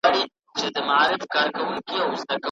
تاسو باید د خوړو د چمتو کولو پر مهال بیداره اوسئ.